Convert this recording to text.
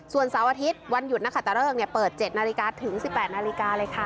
ส่วนเสาร์อาทิตย์วันหยุดนักขัตตะเริกเปิด๗นาฬิกาถึง๑๘นาฬิกาเลยค่ะ